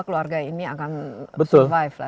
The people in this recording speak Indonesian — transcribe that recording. keluarga ini akan survive